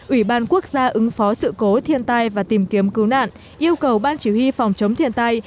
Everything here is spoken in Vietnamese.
ủy ban quốc gia ứng phó sự cố thiên tai và tìm kiếm cứu nạn yêu cầu ban chỉ huy phòng chống thiên tai